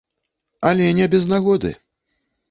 Але не без нагоды.